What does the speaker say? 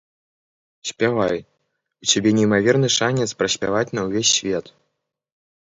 Спявай, у цябе неймаверны шанец праспяваць на ўвесь свет!